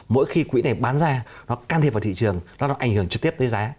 mỗi khi quỹ này bán ra nó can thiệp vào thị trường nó ảnh hưởng trực tiếp tới giá